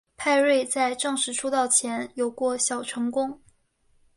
派瑞在正式出道前有过小成功。